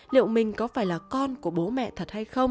liệu mình có phải là con của bố mẹ thật hay không